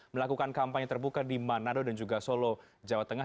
melakukan kampanye terbuka di manado dan juga solo jawa tengah